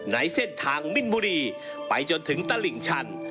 ในเส้นทางมิ้นบุรีไปจนถึงตลิ่งชัน